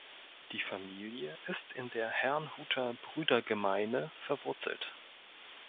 Die Familie ist in der Herrnhuter Brüdergemeine verwurzelt.